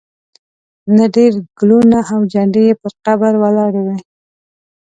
نه ډېر ګلونه او جنډې یې پر قبر ولاړې وې.